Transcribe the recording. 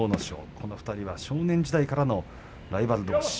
この２人は少年時代からのライバルどうし。